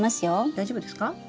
大丈夫ですか？